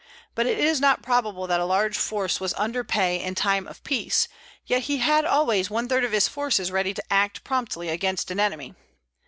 But it is not probable that a large force was under pay in time of peace; yet he had always one third of his forces ready to act promptly against an enemy.